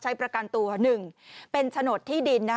ประกันตัว๑เป็นโฉนดที่ดิน